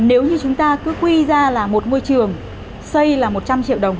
nếu như chúng ta cứ quy ra là một ngôi trường xây là một trăm linh triệu đồng